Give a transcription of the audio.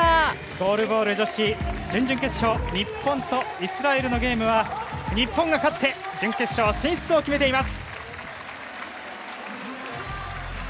ゴールボール女子準々決勝日本とイスラエルのゲームは日本が勝って準決勝進出を決めています。